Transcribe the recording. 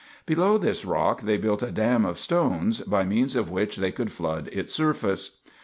Below this rock they built a dam of stones, by means of which they could flood its surface.